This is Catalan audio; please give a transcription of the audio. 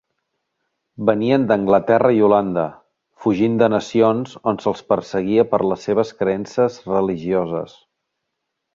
Venien d'Anglaterra i Holanda, fugint de nacions on se'ls perseguia per les seves creences religioses.